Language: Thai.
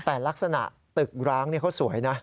แต่ลักษณะตึกร้างเขาสวยนะ